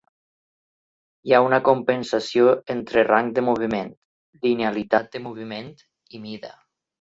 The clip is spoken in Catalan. Hi ha una compensació entre rang de moviment, linealitat de moviment i mida.